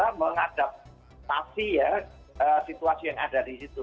kita mengadaptasi ya situasi yang ada di situ